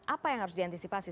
apa yang harus diantisipasi